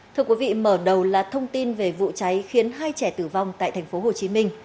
thưa quý vị mở đầu là thông tin về vụ cháy khiến hai trẻ tử vong tại tp hcm